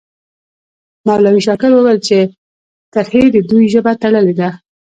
مولوي شاکر وویل چې ترهې د دوی ژبه تړلې ده.